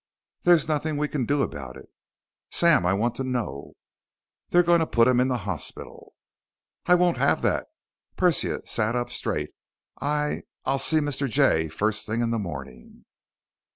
"There's nothing we can do about it." "Sam, I want to know." "They're going to put him in the hospital." "I won't have that!" Persia sat up straight. "I ... I'll see Mr. Jay first thing in the morning!"